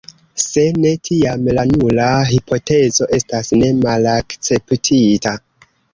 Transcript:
Se ne, tiam la nula hipotezo estas ne malakceptita.